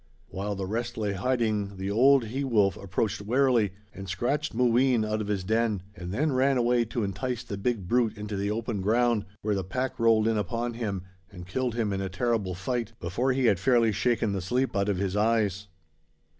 While the rest lay in hiding the old he wolf approached warily and scratched Mooween out of his den, and then ran away to entice the big brute into the open ground, where the pack rolled in upon him and killed him in a terrible fight before he had fairly shaken the sleep out of his eyes.